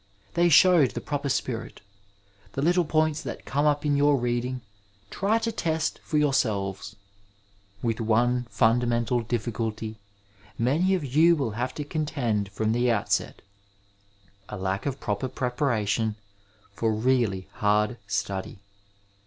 Th67 showed the proper spirit. The little points that come up in 7our reading tr7 to test for jooxaAveB. With one 424 Digitized by VjOOQIC THE STUDENT LIFE fundamental difficulty many of you will have to contend from the outset — a lack of proper preparation for really hard study.